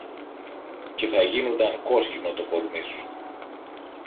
και θα γίνουνταν κόσκινο το κορμί σου